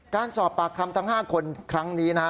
การสอบปากคำทั้ง๕คนครั้งนี้นะฮะ